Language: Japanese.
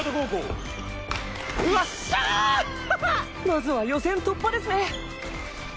まずは予選突破ですね。